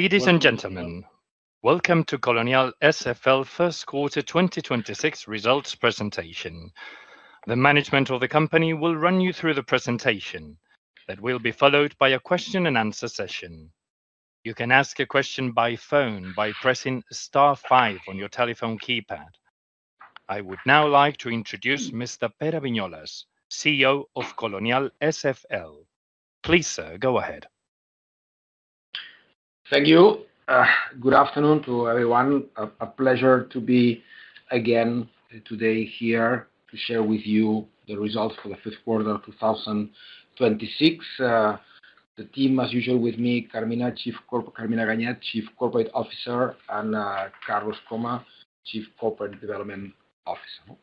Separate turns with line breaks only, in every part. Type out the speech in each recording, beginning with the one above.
Ladies and gentlemen, welcome to Colonial SFL first quarter 2026 results presentation. The management of the company will run you through the presentation. That will be followed by a question and answer session. You can ask a question by phone by pressing star five on your telephone keypad. I would now like to introduce Mr. Pere Viñolas, CEO of Colonial SFL. Please, sir, go ahead.
Thank you. Good afternoon to everyone. A pleasure to be again today here to share with you the results for the first quarter of 2026. The team as usual with me, Carmina Ganyet, Chief Corporate Officer, and Carlos Krohmer, Chief Corporate Development Officer.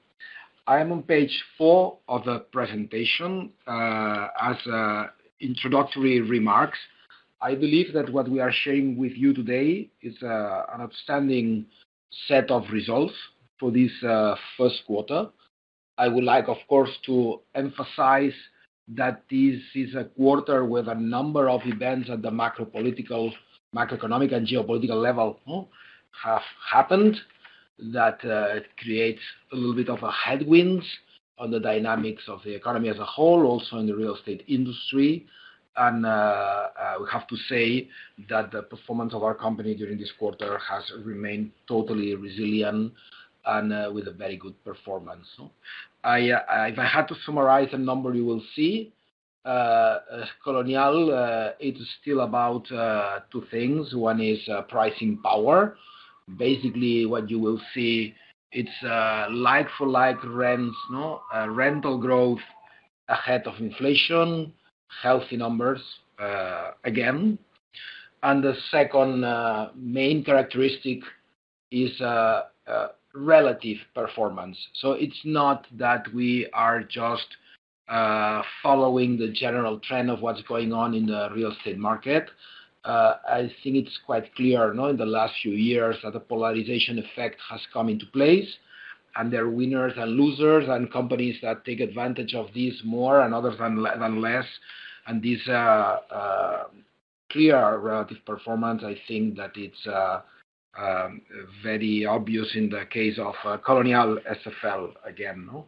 I am on page 4 of the presentation. As introductory remarks, I believe that what we are sharing with you today is an outstanding set of results for this first quarter. I would like, of course, to emphasize that this is a quarter with a number of events at the macro political, macroeconomic, and geopolitical level have happened that it creates a little bit of a headwinds on the dynamics of the economy as a whole, also in the real estate industry. We have to say that the performance of our company during this quarter has remained totally resilient and with a very good performance, no. I, if I had to summarize a number you will see, Colonial, it is still about two things. One is pricing power. Basically, what you will see it's like-for-like rents, no, rental growth ahead of inflation, healthy numbers again. The second main characteristic is relative performance. It's not that we are just following the general trend of what's going on in the real estate market. I think it's quite clear, no, in the last few years that the polarization effect has come into place, and there are winners and losers, and companies that take advantage of this more and others than less. This clear relative performance, I think that it's very obvious in the case of Colonial SFL again, no.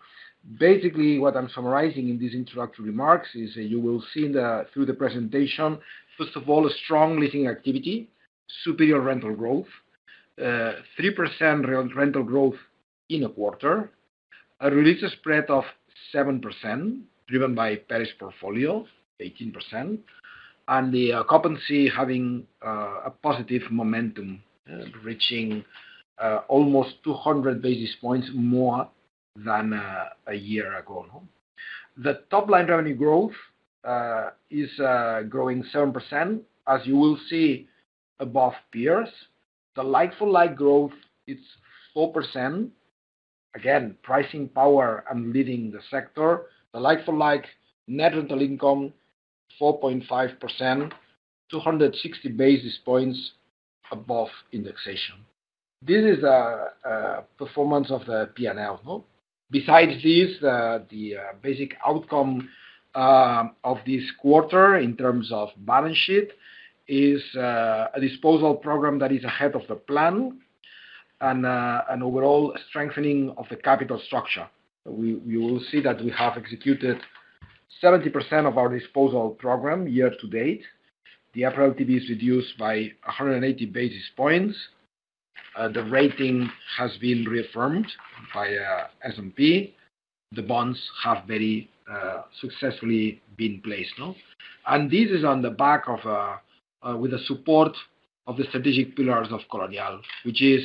Basically, what I'm summarizing in these introductory remarks is you will see through the presentation, first of all, a strong leasing activity, superior rental growth, 3% re-rental growth in a quarter, a re-leasing spread of 7% driven by Paris portfolio 18%, and the occupancy having a positive momentum, reaching almost 200 basis points more than a year ago. The top-line revenue growth is growing 7%, as you will see above peers. The like-for-like growth, it's 4%. Again, pricing power and leading the sector. The like-for-like net rental income, 4.5%, 260 basis points above indexation. This is performance of the P&L, no. Besides this, the basic outcome of this quarter in terms of balance sheet is a disposal program that is ahead of the plan and an overall strengthening of the capital structure. We will see that we have executed 70% of our disposal program year to date. The EPRA LTV is reduced by 180 basis points. The rating has been reaffirmed via S&P. The bonds have very successfully been placed. This is on the back of with the support of the strategic pillars of Colonial, which is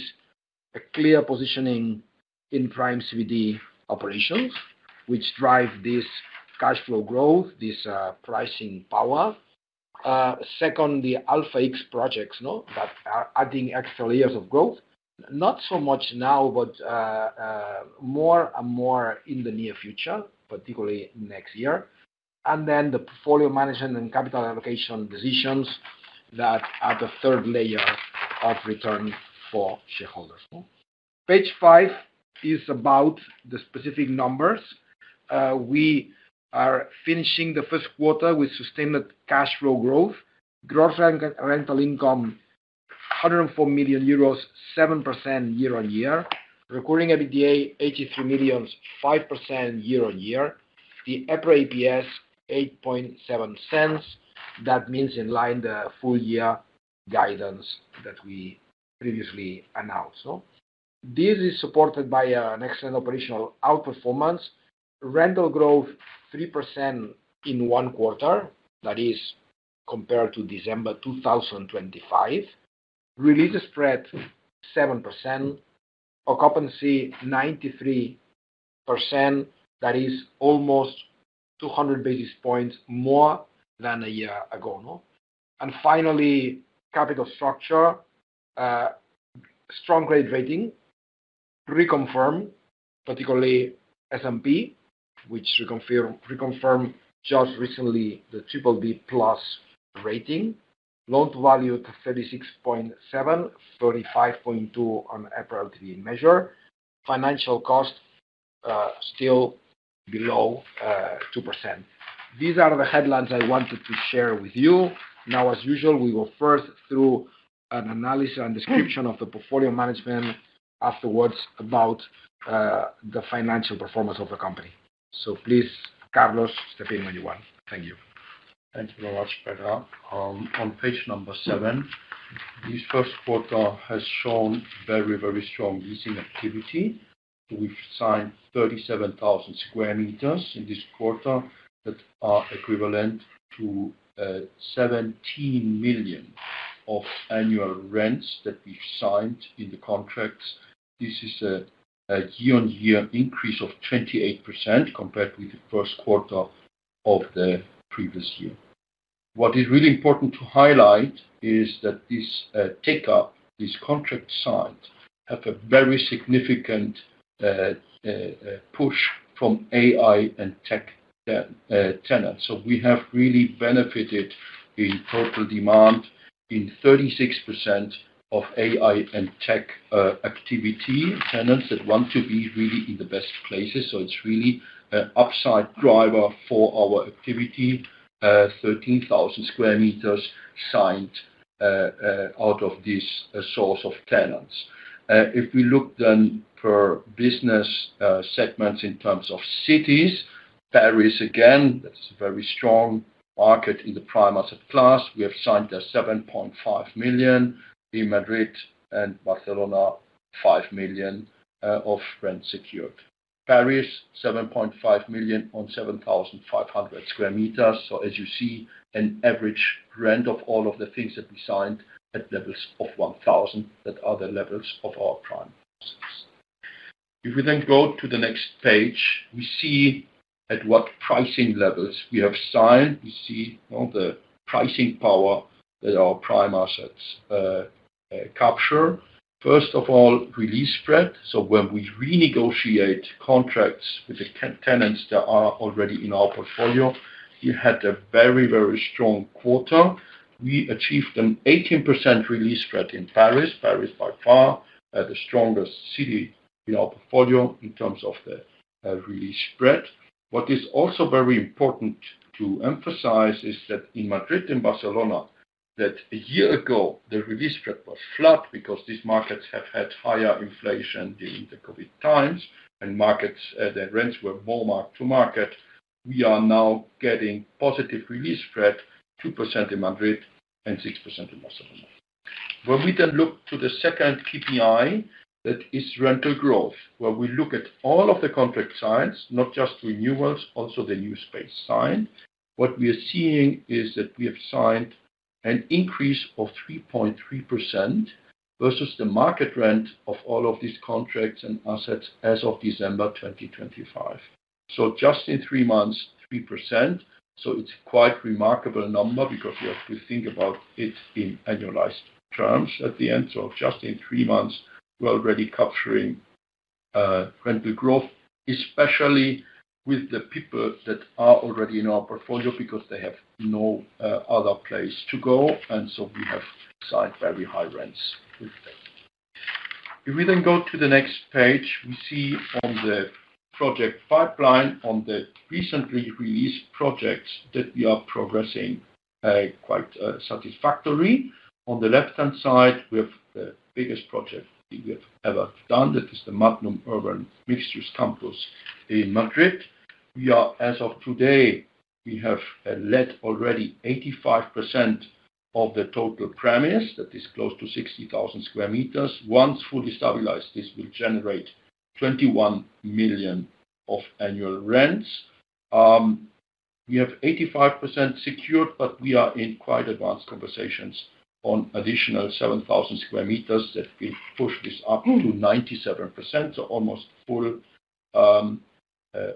a clear positioning in prime CBD operations, which drive this cash flow growth, this pricing power. Second, the Alpha X projects that are adding extra layers of growth. Not so much now, but more and more in the near future, particularly next year. The portfolio management and capital allocation decisions that are the third layer of return for shareholders. Page 5 is about the specific numbers. We are finishing the first quarter with sustained cash flow growth. Gross rent, rental income, 104 million euros, 7% year-on-year. Recurring EBITDA, 83 million, 5% year-on-year. The EPRA EPS, 0.087. That means in line the full year guidance that we previously announced. This is supported by an excellent operational outperformance. Rental growth, 3% in one quarter. That is compared to December 2025. Re-leasing spread, 7%. Occupancy, 93%. That is almost 200 basis points more than a year ago. Finally, capital structure. Strong grade rating reconfirmed, particularly S&P, which reconfirmed just recently the BBB+ rating. Loan-to-value, 36.7%. 35.2% on EPRA LTV measure. Financial cost, still below 2%. These are the headlines I wanted to share with you. As usual, we go first through an analysis and description of the portfolio management. Afterwards, about, the financial performance of the company. Please, Carlos, step in when you want. Thank you.
Thanks very much, Pere. On page number seven, this first quarter has shown very, very strong leasing activity. We've signed 37,000 sq m in this quarter that are equivalent to 17 million of annual rents that we've signed in the contracts. This is a year-over-year increase of 28% compared with the first quarter of the previous year. What is really important to highlight is that this take up, these contracts signed, have a very significant push from AI and tech tenants. We have really benefited in total demand in 36% of AI and tech activity tenants that want to be really in the best places. It's really an upside driver for our activity. 13,000 sq m signed out of this source of tenants. If we look then per business segments in terms of cities, Paris, again, that's a very strong market in the prime asset class. We have signed a 7.5 million in Madrid and Barcelona, 5 million of rent secured. Paris, 7.5 million on 7,500 sq m. As you see, an average rent of all of the things that we signed at levels of 1,000 at other levels of our prime assets. If we then go to the next page, we see at what pricing levels we have signed. We see all the pricing power that our prime assets capture. First of all, re-leasing spread. When we renegotiate contracts with the tenants that are already in our portfolio, we had a very, very strong quarter. We achieved an 18% re-leasing spread in Paris. Paris by far, the strongest city in our portfolio in terms of the re-leasing spread. What is also very important to emphasize is that in Madrid and Barcelona, that a year ago, the re-leasing spread was flat because these markets have had higher inflation during the COVID times and markets, the rents were more mark to market. We are now getting positive re-leasing spread, 2% in Madrid and 6% in Barcelona. We then look to the second KPI, that is rental growth, where we look at all of the contract signs, not just renewals, also the new space signed. What we are seeing is that we have signed an increase of 3.3% versus the market rent of all of these contracts and assets as of December 2025. Just in three months, 3%. It's quite remarkable number because you have to think about it in annualized terms at the end. Just in 3 months, we're already capturing rental growth, especially with the people that are already in our portfolio because they have no other place to go. We have signed very high rents with them. If we then go to the next page, we see on the project pipeline, on the recently released projects that we are progressing quite satisfactory. On the left-hand side, we have the biggest project we have ever done. That is the Madnum urban mixed-use campus in Madrid. As of today, we have let already 85% of the total premise. That is close to 60,000 sq m. Once fully stabilized, this will generate 21 million of annual rents. We have 85% secured, but we are in quite advanced conversations on additional 7,000 sq m that will push this up to 97%, so almost full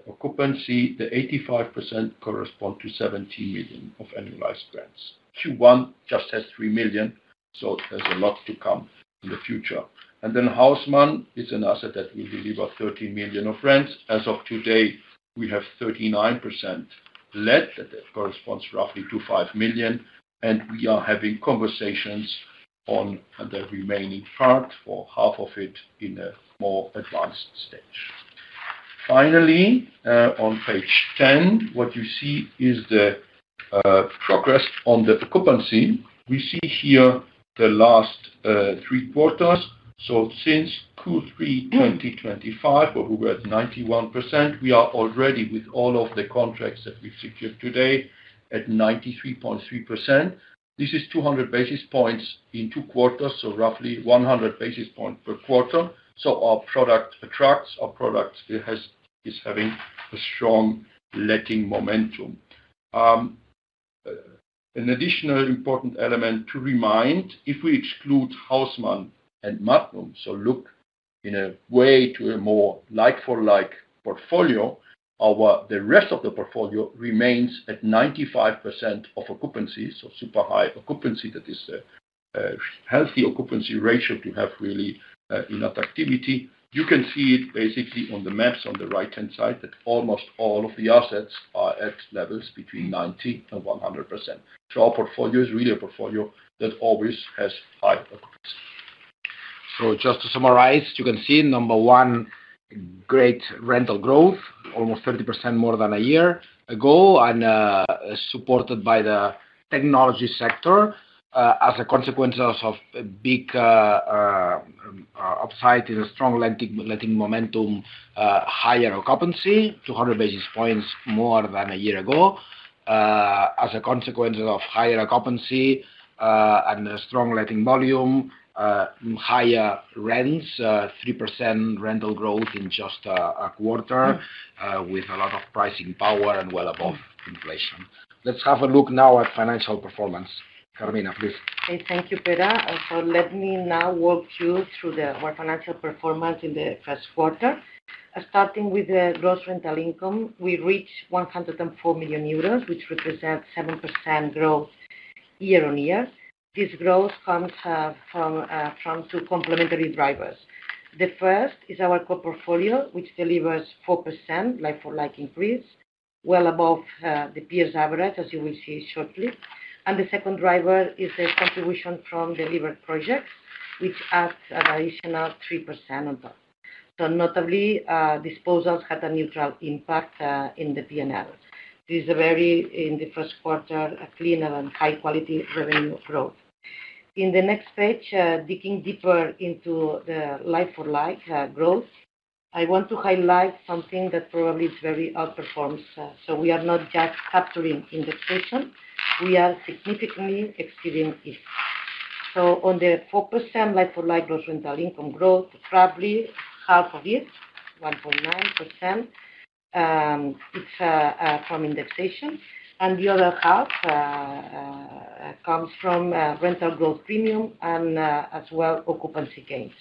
occupancy. The 85% correspond to 17 million of annualized rents. Q1 just has 3 million, there's a lot to come in the future. Haussmann is an asset that will deliver 13 million of rents. As of today, we have 39% let. That corresponds roughly to 5 million. We are having conversations on the remaining part or half of it in a more advanced stage. On page 10, what you see is the progress on the occupancy. We see here the last three quarters. Since Q3 2025, where we were at 91%, we are already with all of the contracts that we've secured today at 93.3%. This is 200 basis points in 2 quarters, roughly 100 basis point per quarter. Our product attracts. Our product is having a strong letting momentum. An additional important element to remind, if we exclude Haussmann and Madnum, look in a way to a more like-for-like portfolio, the rest of the portfolio remains at 95% of occupancy, super high occupancy. That is a healthy occupancy ratio to have really in that activity. You can see it basically on the maps on the right-hand side that almost all of the assets are at levels between 90% and 100%. Our portfolio is really a portfolio that always has high occupancy.
Just to summarize, you can see number 1, great rental growth, almost 30% more than a year ago, and supported by the technology sector, as a consequence of big upside in a strong letting momentum, higher occupancy, 200 basis points more than a year ago. As a consequence of higher occupancy, and a strong letting volume, higher rents, 3% rental growth in just a quarter, with a lot of pricing power and well above inflation. Let's have a look now at financial performance. Carmina, please.
Okay, thank you, Pere. Let me now walk you through our financial performance in the first quarter. Starting with the gross rental income, we reached 104 million euros, which represents 7% growth year-over-year. This growth comes from two complementary drivers. The first is our core portfolio, which delivers 4% like-for-like increase, well above the peers average, as you will see shortly. The second driver is the contribution from delivered projects, which adds an additional 3% on top. Notably, disposals had a neutral impact in the P&L. This is, in the first quarter, a cleaner and high quality revenue growth. In the next page, digging deeper into the like-for-like growth, I want to highlight something that probably is very outperforms. We are not just capturing indexation, we are significantly exceeding it. On the 4% like-for-like gross rental income growth, probably half of it, 1.9%, it's from indexation. The other half comes from rental growth premium and as well occupancy gains.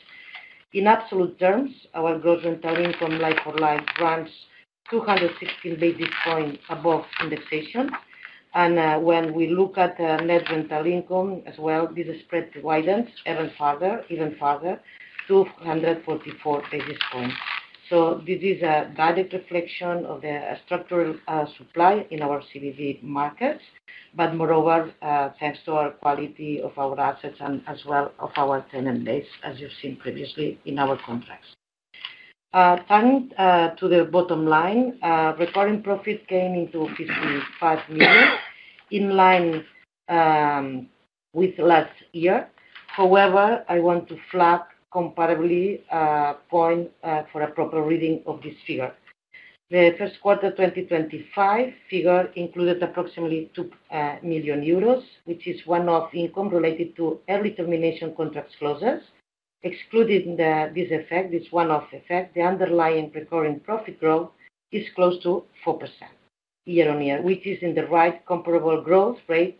In absolute terms, our gross rental income like-for-like runs 216 basis points above indexation. When we look at the net rental income as well, this spread widens even further, 244 basis points. This is a valid reflection of the structural supply in our CBD markets. Moreover, thanks to our quality of our assets and as well of our tenant base, as you've seen previously in our contracts. Turning to the bottom line, recurring profit came into 55 million, in line with last year. I want to flag comparable point for a proper reading of this figure. The first quarter 2025 figure included approximately 2 million euros, which is one-off income related to early termination contracts closures. Excluding this effect, this one-off effect, the underlying recurring profit growth is close to 4% year-on-year, which is in the right comparable growth rate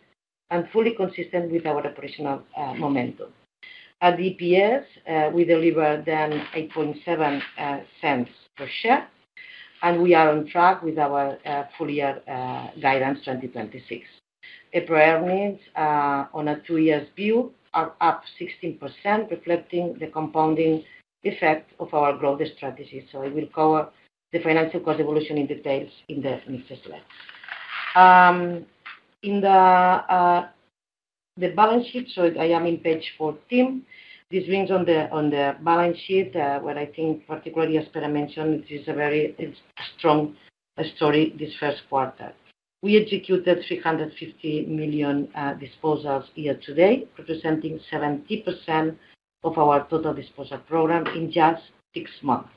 and fully consistent with our operational momentum. At EPS, we delivered then 0.087 per share, and we are on track with our full year guidance 2026. EPRA earnings on a 2 years view are up 16%, reflecting the compounding effect of our growth strategy. I will cover the financial course evolution in details in the next slide. In the balance sheet, I am in page 14. This brings on the balance sheet what I think particularly as Pere mentioned, it is a very strong story this first quarter. We executed 350 million disposals year to date, representing 70% of our total disposal program in just 6 months.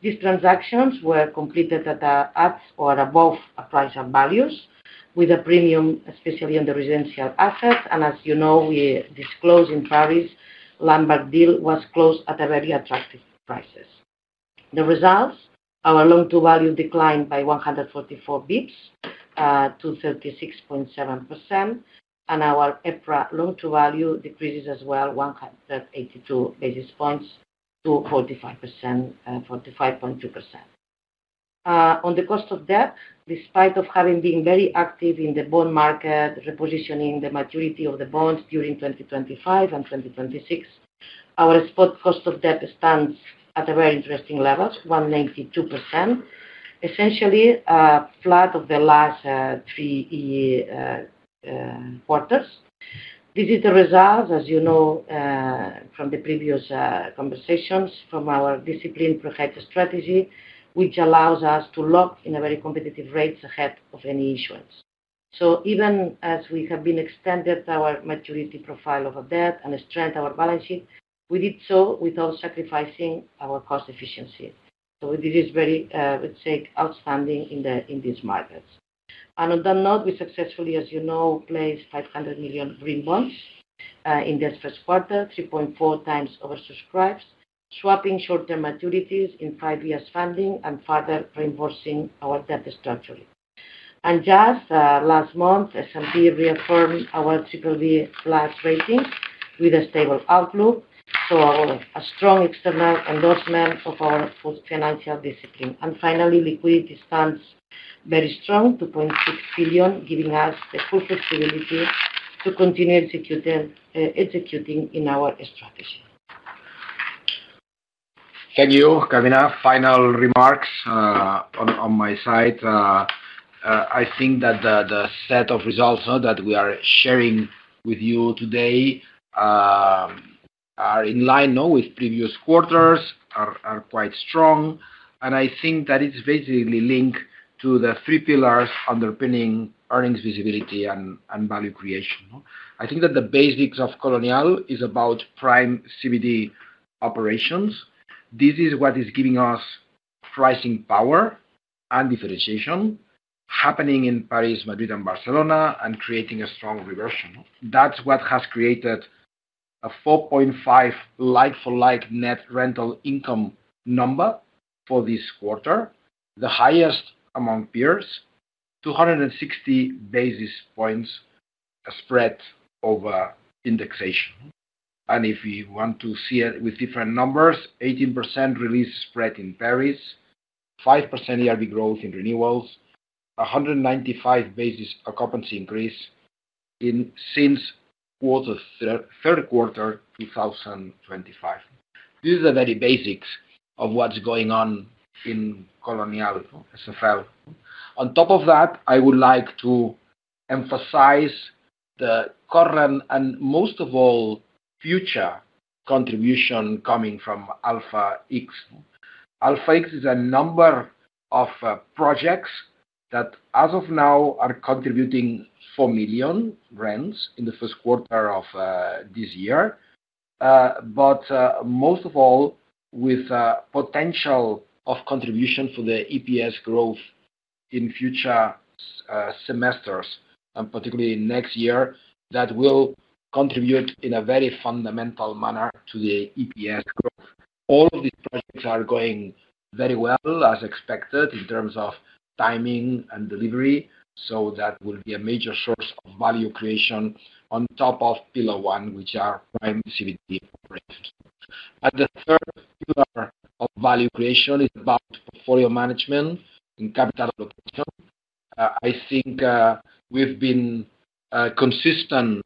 These transactions were completed at or above appraisal values with a premium, especially on the residential assets. As you know, we disclosed in Paris, landmark deal was closed at very attractive prices. The results, our loan-to-value declined by 144 basis points to 36.7%. Our EPRA loan-to-value decreases as well, 182 basis points to 45.2%. On the cost of debt, despite of having been very active in the bond market, repositioning the maturity of the bonds during 2025 and 2026, our spot cost of debt stands at a very interesting levels, 1.92%. Essentially flat of the last three quarters. This is the result, as you know, from the previous conversations from our disciplined proactive strategy, which allows us to lock in a very competitive rates ahead of any issuance. Even as we have been extended our maturity profile of our debt and strengthened our balance sheet, we did so without sacrificing our cost efficiency. This is very, let's say, outstanding in these markets. On that note, we successfully, as you know, placed 500 million green bonds in this first quarter, 3.4x oversubscribed, swapping short-term maturities in five years funding and further reinforcing our debt structure. Just last month, S&P reaffirmed our BBB+ rating with a stable outlook. Our, a strong external endorsement of our full financial discipline. Finally, liquidity stands very strong, 2.6 billion, giving us the full flexibility to continue executing in our strategy.
Thank you, Carmina Ganyet. Final remarks, on my side. I think that the set of results that we are sharing with you today are in line, you know, with previous quarters, are quite strong. I think that is basically linked to the three pillars underpinning earnings visibility and value creation. I think that the basics of Colonial is about prime CBD operations. This is what is giving us pricing power and differentiation happening in Paris, Madrid, and Barcelona, and creating a strong reversion. That's what has created a 4.5 like-for-like net rental income number for this quarter, the highest among peers, 260 basis points spread over indexation. If you want to see it with different numbers, 18% re-leasing spread in Paris, 5% yearly growth in renewals, 195 basis points occupancy increase since third quarter 2025. These are the very basics of what's going on in Colonial SFL. On top of that, I would like to emphasize the current and most of all future contribution coming from Alpha X. Alpha X is a number of projects that as of now are contributing 4 million rents in the first quarter of this year. Most of all, with potential of contribution for the EPS growth in future semesters, and particularly next year, that will contribute in a very fundamental manner to the EPS growth. All of these projects are going very well as expected in terms of timing and delivery. That will be a major source of value creation on top of pillar 1, which are prime CBD operations. The third pillar of value creation is about portfolio management and capital rotation. I think we've been consistent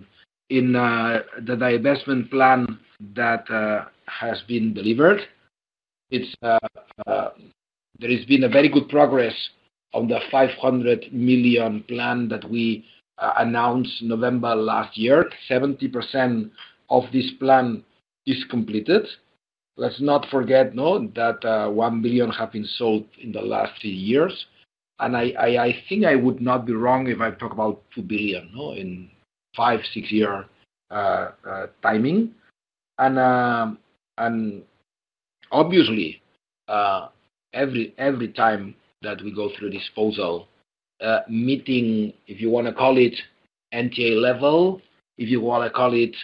in the divestment plan that has been delivered. There has been a very good progress on the 500 million plan that we announced November last year. 70% of this plan is completed. Let's not forget, you know, that 1 billion have been sold in the last three years. I think I would not be wrong if I talk about EUR 2 billion, you know, in five six year timing. Obviously, every time that we go through disposal meeting, if you wanna call it NTA level, if you wanna call it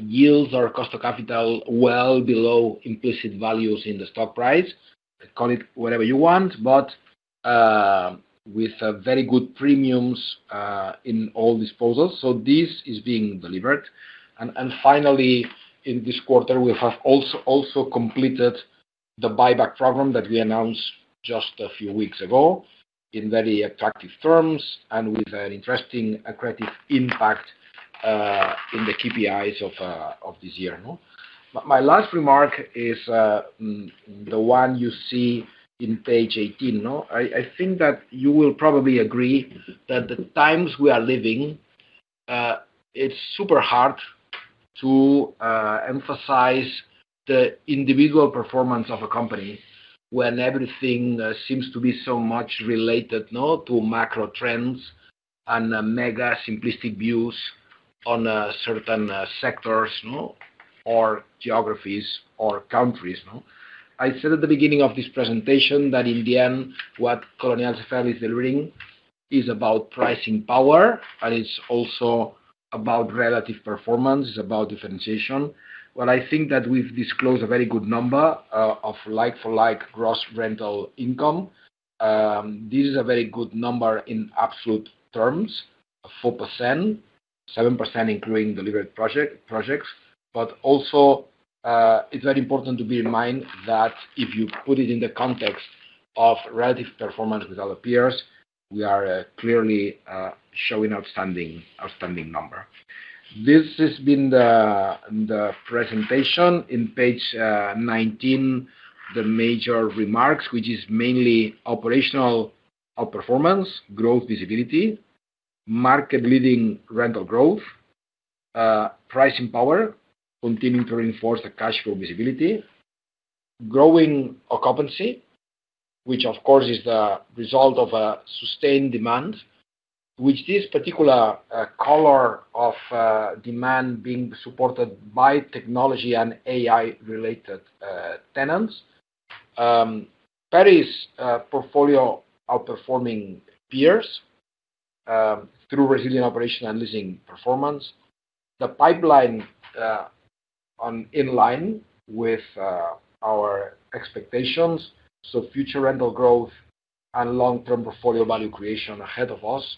yields or cost of capital well below implicit values in the stock price, call it whatever you want, but with very good premiums in all disposals. This is being delivered. Finally, in this quarter, we have also completed the buyback program that we announced just a few weeks ago in very attractive terms and with an interesting accretive impact in the KPIs of this year, you know. My last remark is the one you see in page 18, you know. I think that you will probably agree that the times we are living, it's super hard to emphasize the individual performance of a company when everything seems to be so much related, you know, to macro trends and mega simplistic views on certain sectors, you know, or geographies or countries, you know. I said at the beginning of this presentation that in the end, what Colonial SFL is delivering is about pricing power, and it's also about relative performance, it's about differentiation. Well, I think that we've disclosed a very good number of like-for-like gross rental income. This is a very good number in absolute terms, 4%, 7% including delivered projects. Also, it's very important to bear in mind that if you put it in the context of relative performance with our peers, we are clearly showing outstanding number. This has been the presentation. In page 19, the major remarks, which is mainly operational outperformance, growth visibility, market-leading rental growth, pricing power continuing to reinforce the cash flow visibility. Growing occupancy, which of course is the result of a sustained demand, which this particular color of demand being supported by technology and AI-related tenants. Paris portfolio outperforming peers through resilient operation and leasing performance. The pipeline in line with our expectations, so future rental growth and long-term portfolio value creation ahead of us.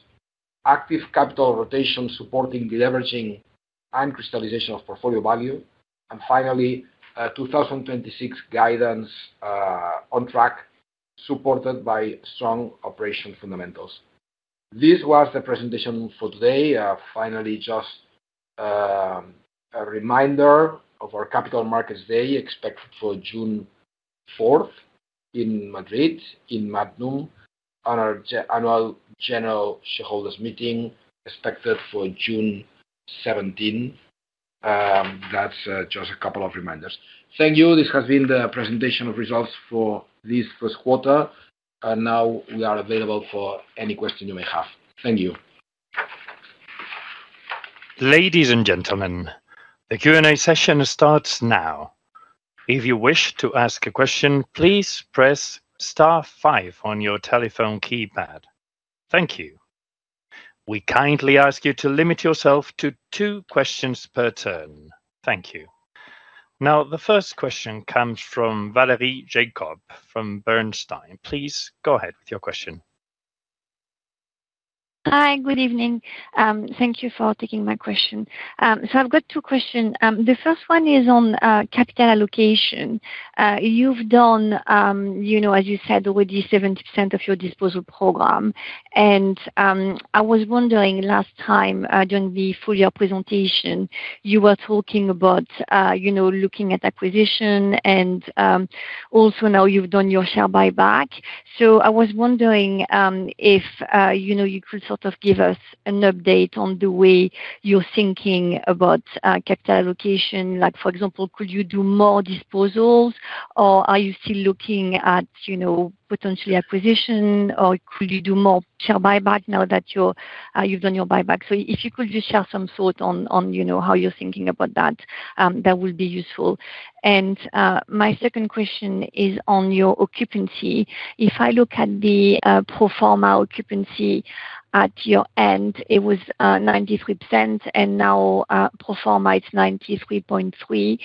Active capital rotation supporting deleveraging and crystallization of portfolio value. Finally, 2026 guidance on track, supported by strong operation fundamentals. This was the presentation for today. Finally, just a reminder of our Capital Markets Day expected for June 4th in Madrid in Madnum on our annual general shareholders meeting expected for June 17th. That's just a couple of reminders. Thank you. This has been the presentation of results for this first quarter. Now we are available for any question you may have. Thank you.
Ladies and gentlemen, the Q&A session starts now. If you wish to ask a question, please press star five on your telephone keypad. Thank you. We kindly ask you to limit yourself to two questions per turn. Thank you. The first question comes from Valerie Jacob from Bernstein. Please go ahead with your question.
Hi. Good evening. Thank you for taking my question. I've got 2 question. The first one is on capital allocation. You've done, you know, as you said, already 70% of your disposal program. I was wondering last time, during the full year presentation, you were talking about, you know, looking at acquisition and also now you've done your share buyback. I was wondering, if, you know, you could sort of give us an update on the way you're thinking about capital allocation. Like, for example, could you do more disposals, or are you still looking at, you know, potentially acquisition, or could you do more share buyback now that you've done your buyback? If you could just share some thought on, you know, how you're thinking about that would be useful. My second question is on your occupancy. If I look at the pro forma occupancy at your end, it was 93% and now pro forma it's 93.3%.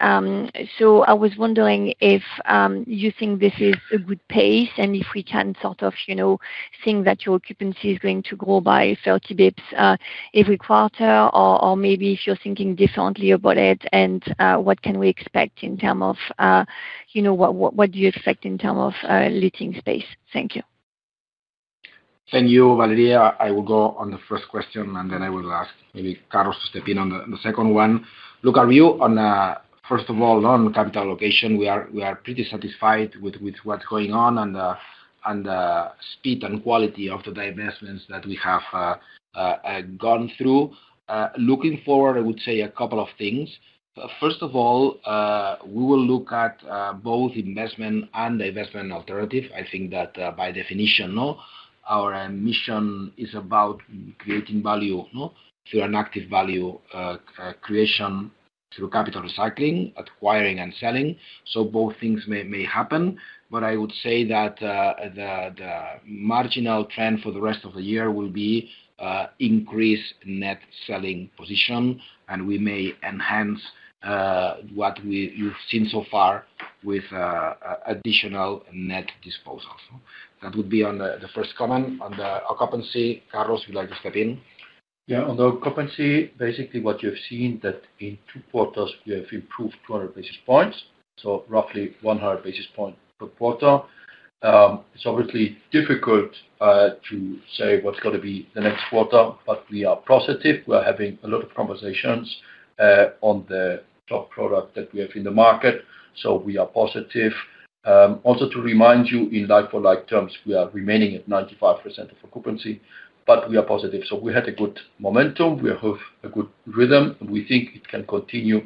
I was wondering if you think this is a good pace and if we can sort of, you know, think that your occupancy is going to grow by 30 basis points every quarter, or maybe if you're thinking differently about it, and what can we expect in term of, you know, what do you expect in term of leasing space? Thank you.
Thank you, Valeria. I will go on the first question, and then I will ask maybe Carlos to step in on the second one. Look, our view on first of all, on capital allocation, we are pretty satisfied with what's going on and speed and quality of the divestments that we have gone through. Looking forward, I would say a couple of things. First of all, we will look at both investment and divestment alternative. I think that by definition, no, our mission is about creating value, no, through an active value creation through capital recycling, acquiring and selling. Both things may happen. I would say that the marginal trend for the rest of the year will be increase net selling position, and we may enhance what you've seen so far with additional net disposals. That would be on the first comment. On the occupancy, Carlos, would you like to step in?
Yeah. On the occupancy, basically what you've seen that in two quarters we have improved 200 basis points, so roughly 100 basis point per quarter. It's obviously difficult to say what's gonna be the next quarter, but we are positive. We are having a lot of conversations on the top product that we have in the market. We are positive. Also to remind you, in like-for-like terms, we are remaining at 95% of occupancy. We are positive. We had a good momentum. We have a good rhythm, and we think it can continue.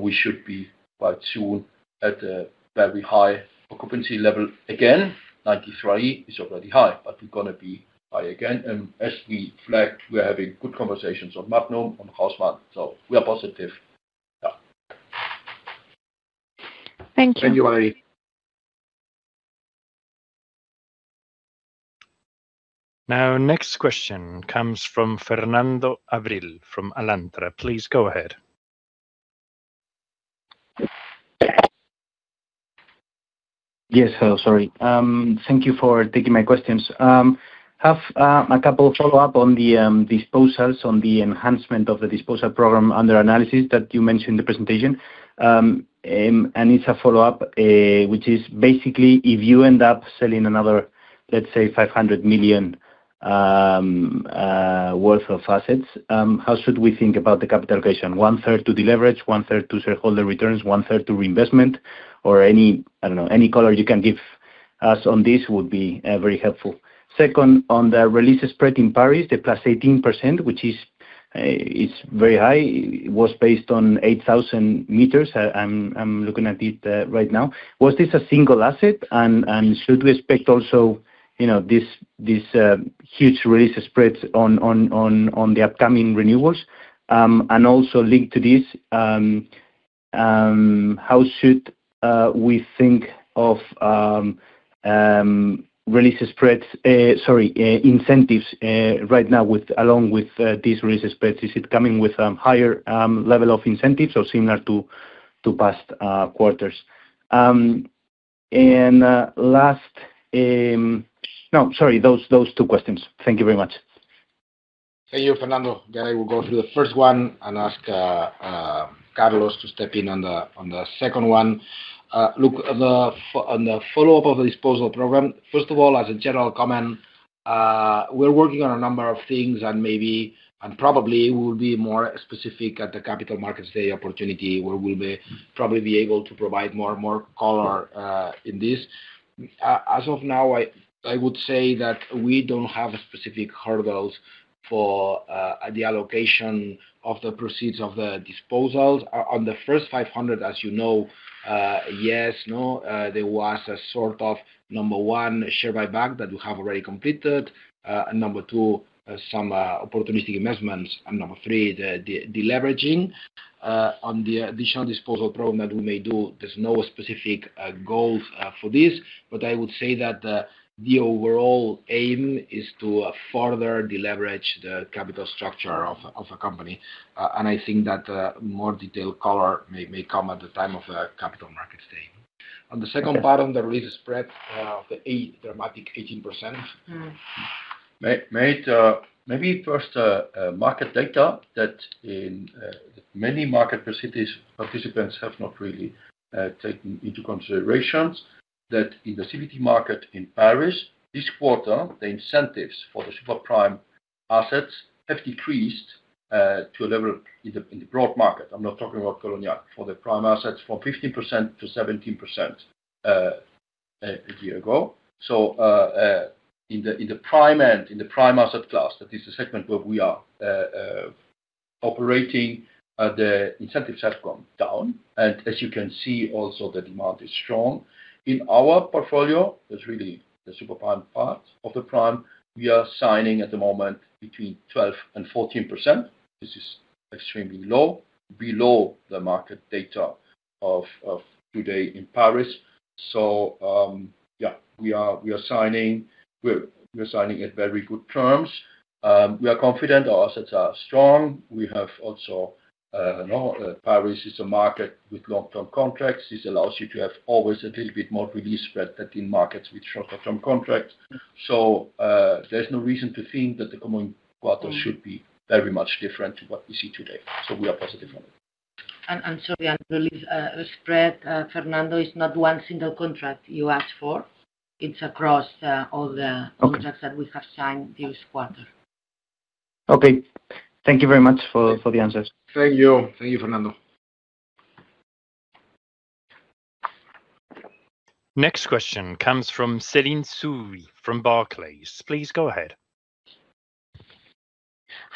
We should be quite soon at a very high occupancy level again. 93% is already high. We're gonna be high again. As we flagged, we are having good conversations on Madnum, on Haussmann. We are positive. Yeah.
Thank you.
Thank you, Valerie.
Now, next question comes from Fernando Abril from Alantra. Please go ahead.
Yes. Sorry. Thank you for taking my questions. Have a couple follow-up on the enhancement of the disposal program under analysis that you mentioned in the presentation. It's a follow-up which is basically if you end up selling another, let's say, 500 million worth of assets, how should we think about the capital allocation? 1/3 to deleverage, 1/3 to shareholder returns, 1/3 to reinvestment or any, I don't know, any color you can give us on this would be very helpful. Second, on the re-leasing spread in Paris, the +18%, which is very high, was based on 8,000 sq m. I'm looking at it right now. Was this a single asset? Should we expect also, you know, this huge re-leasing spreads on the upcoming renewals? Also linked to this, how should we think of re-leasing spreads, sorry, incentives, right now with, along with these re-leasing spreads? Is it coming with higher level of incentives or similar to past quarters? Last. No, sorry, those two questions. Thank you very much.
Thank you, Fernando. I will go through the first one and ask Carlos to step in on the second one. Look, on the follow-up of the disposal program, first of all, as a general comment, we're working on a number of things, and maybe, and probably we'll be more specific at the Capital Markets Day opportunity, where we'll probably be able to provide more and more color in this. As of now, I would say that we don't have specific hurdles for the allocation of the proceeds of the disposals. On the first 500, as you know, there was a sort of, number 1, share buyback that we have already completed. Number 2, some opportunistic investments. Number 3, the de-leveraging. On the additional disposal program that we may do, there's no specific goals for this. I would say that the overall aim is to further deleverage the capital structure of the company. I think that more detailed color may come at the time of the Capital Markets Day. On the second part, on the lease spread, the eight dramatic 18%.
Maybe first, market data that many market participants have not really taken into consideration that in the CBD market in Paris this quarter, the incentives for the super prime assets have decreased to a level in the broad market. I'm not talking about Colonial. For the prime assets, from 15% to 17% a year ago. In the prime end, in the prime asset class, that is the segment where we are operating, the incentives have gone down. As you can see also, the demand is strong. In our portfolio, that's really the super prime part of the prime, we are signing at the moment between 12% and 14%. This is extremely low. Below the market data of today in Paris. We are signing, we're signing at very good terms. We are confident our assets are strong. We have also, you know, Paris is a market with long-term contracts. This allows you to have always a little bit more re-leasing spread than in markets with shorter term contracts. There's no reason to think that the coming quarter should be very much different to what we see today. We are positive on it.
The lease spread, Fernando, is not one single contract you asked for. It's across all the objects that we have signed this quarter.
Okay. Thank you very much for the answers.
Thank you.
Thank you, Fernando.
Next question comes from Céline Soo-Huynh from Barclays. Please go ahead.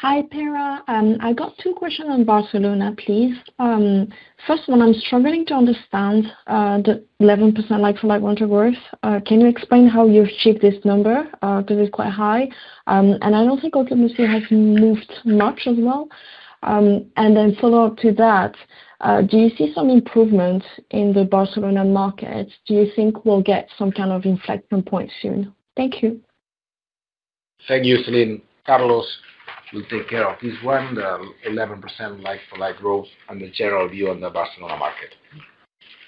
Hi, Pere. I got two questions on Barcelona, please. First one, I'm struggling to understand the 11% like-for-like rental growth. Can you explain how you've achieved this number? Because it's quite high. I don't think occupancy has moved much as well. Follow up to that, do you see some improvement in the Barcelona market? Do you think we'll get some kind of inflection point soon? Thank you.
Thank you, Céline. Carlos will take care of this one, the 11% like-for-like growth and the general view on the Barcelona market.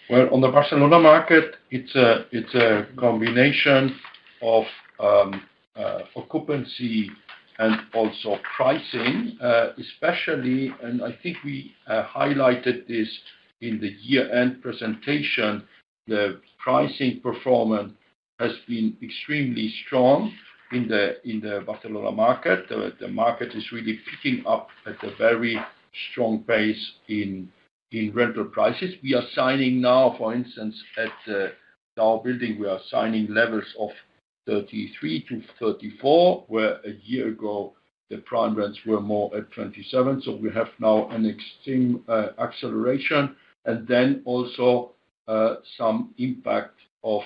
Well, on the Barcelona market, it's a combination of occupancy and also pricing. Especially, and I think we highlighted this in the year-end presentation, the pricing performance has been extremely strong in the Barcelona market. The market is really picking up at a very strong pace in rental prices. We are signing now, for instance, at our building, we are signing levels of 33-34, where a year ago, the prime rents were more at 27. We have now an extreme acceleration, and also some impact of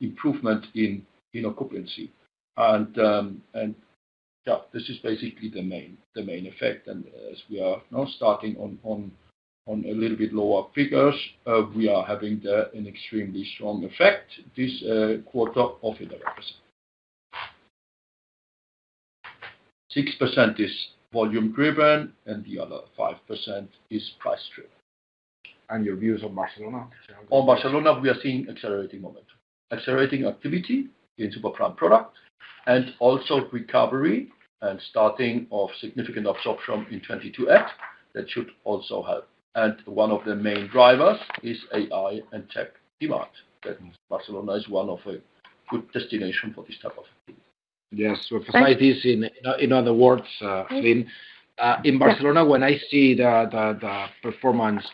improvement in occupancy. This is basically the main effect. As we are now starting on a little bit lower figures, we are having there an extremely strong effect this quarter of the represent. 6% is volume driven, and the other 5% is price driven.
Your views on Barcelona?
On Barcelona, we are seeing accelerating momentum. Accelerating activity in super prime product, and also recovery and starting of significant absorption in 22@ that should also help. One of the main drivers is AI and tech demand, that Barcelona is one of a good destination for this type of thing.
Yes for this, in other words, Céline.
Yeah
In Barcelona, when I see the performance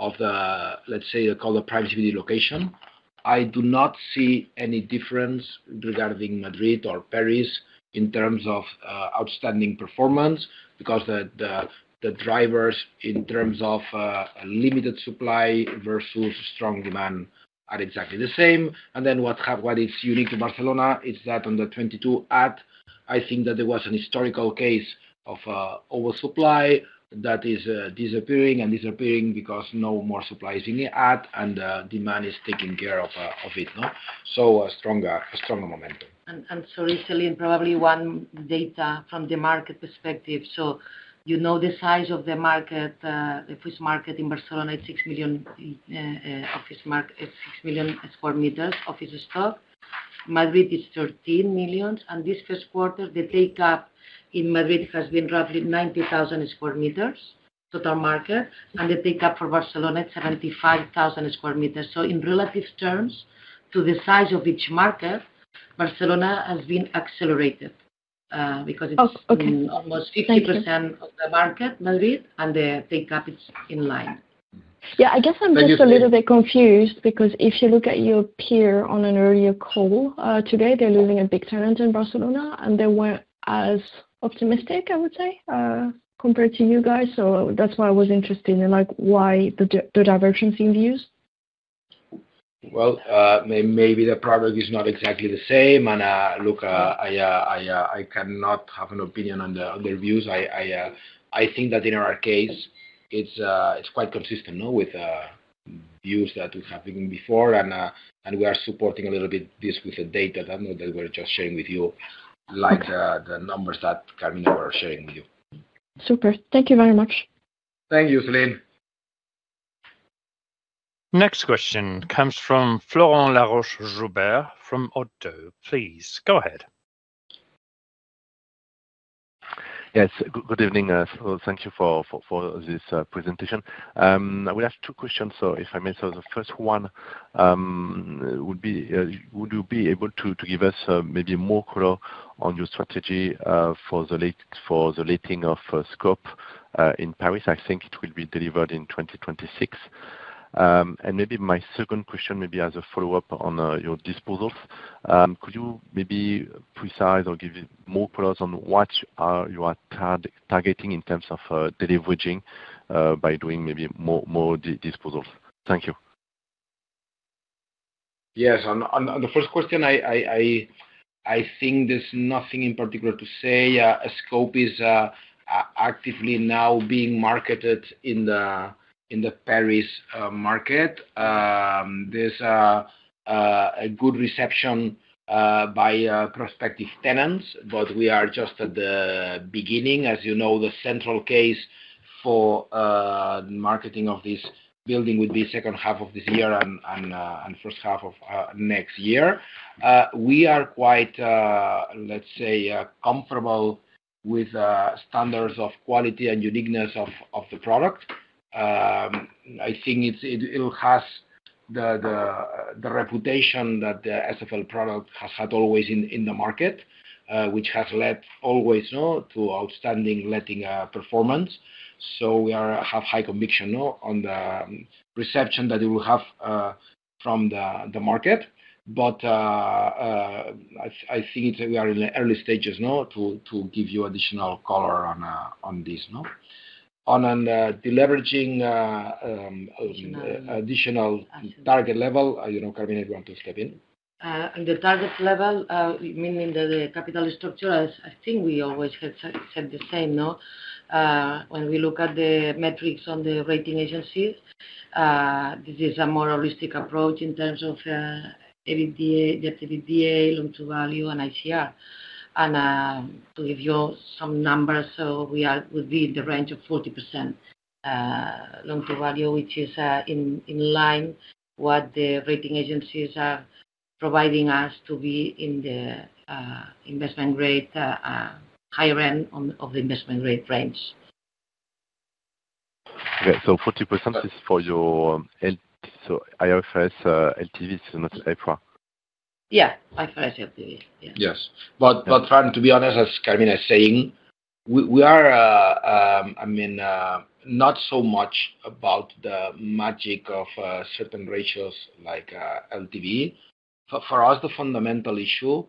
of the, let's say, call it the prime city location, I do not see any difference regarding Madrid or Paris in terms of outstanding performance because the drivers in terms of limited supply versus strong demand are exactly the same. What is unique to Barcelona is that on the 22@, I think that there was an historical case of oversupply that is disappearing because no more supply is in the 22@ and demand is taking care of it, no. A stronger momentum.
Recently, probably one data from the market perspective. You know the size of the market, office market in Barcelona, it's 6 million sq m office stock. Madrid is 13 million sq m. This first quarter, the take up in Madrid has been roughly 90,000 sq m total market. The take up for Barcelona is 75,000 sq m. In relative terms to the size of each market, Barcelona has been accelerated, because it's.
Oh, okay. Thank you.
almost 50% of the market, Madrid. The take up is in line.
Yeah, I guess I'm a little bit confused because if you look at your peer on an earlier call, today, they're losing a big tenant in Barcelona, and they weren't as optimistic, I would say, compared to you guys. That's why I was interested in, like, why the diversion in views.
Well, maybe the product is not exactly the same. Look, I, I cannot have an opinion on the, on their views. I, I think that in our case, it's quite consistent, you know, with views that we have even before. We are supporting a little bit this with the data that we're just sharing with you, like the numbers that Carmina was sharing with you.
Super. Thank you very much.
Thank you, Céline.
Next question comes from Florent Laroche-Joubert from ODDO. Please, go ahead.
Yes. Good evening. Thank you for this presentation. I will ask two questions, if I may. The first one would be, would you be able to give us maybe more color on your strategy for the letting of Scope in Paris? I think it will be delivered in 2026. Maybe my second question, maybe as a follow-up on your disposals, could you maybe precise or give more colors on what you are targeting in terms of deleveraging by doing maybe more disposals? Thank you.
Yes. On the first question, I think there's nothing in particular to say. Scope is actively now being marketed in the Paris market. There's a good reception by prospective tenants, we are just at the beginning. As you know, the central case for marketing of this building would be second half of this year and first half of next year. We are quite, let's say, comfortable with standards of quality and uniqueness of the product. I think it'll have the reputation that the SFL product has had always in the market, which has led always, you know, to outstanding letting performance. We are have high conviction, you know, on the reception that it will have from the market. I think we are in the early stages, you know, to give you additional color on this, you know. On the deleveraging, additional target level, you know, Carmina, you want to step in?
On the target level, meaning the capital structure, I think we always have said the same, no? When we look at the metrics on the rating agencies, this is a more holistic approach in terms of EBITDA, loan to value and ICR. To give you some numbers, we are within the range of 40% loan to value, which is in line what the rating agencies are providing us to be in the investment grade high end of the investment grade range.
Okay. 40% IFRS LTV, not EPRA.
Yeah. IFRS LTV. Yes.
Yes. Florent, to be honest, as Carmina is saying, we are not so much about the magic of certain ratios like LTV. For us, the fundamental issue,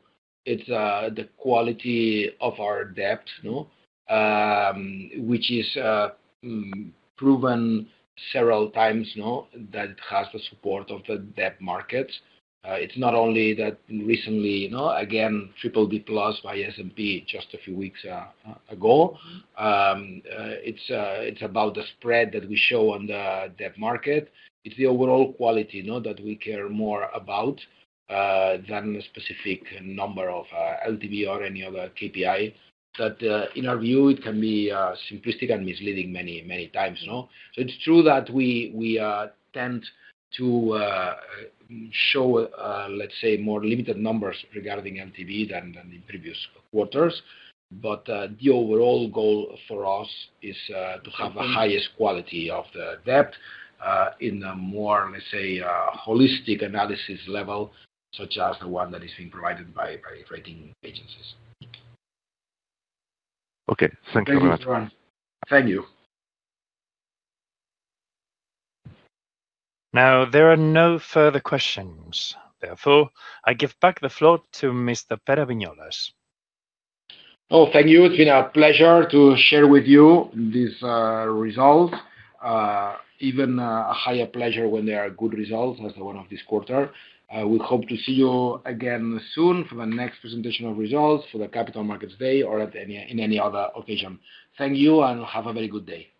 it's the quality of our debt, you know, which is proven several times, you know, that has the support of the debt markets. It's not only that recently, you know, again, BBB+ by S&P just a few weeks ago. It's about the spread that we show on the debt market. It's the overall quality, you know, that we care more about than a specific number of LTV or any other KPI. That, in our view, it can be simplistic and misleading many times, you know. It's true that we tend to show, let's say, more limited numbers regarding LTV than the previous quarters. The overall goal for us is to have the highest quality of the debt in a more, let's say, holistic analysis level, such as the one that is being provided by rating agencies.
Okay. Thank you very much.
Thank you.
There are no further questions. Therefore, I give back the floor to Mr. Pere Viñolas.
Oh, thank you. It's been a pleasure to share with you these results. Even a higher pleasure when they are good results as the one of this quarter. I would hope to see you again soon for the next presentation of results, for the Capital Markets Day or in any other occasion. Thank you, and have a very good day.